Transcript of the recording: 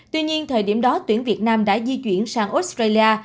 tuy nhiên thời điểm đó tuyển việt nam đã di chuyển sang australia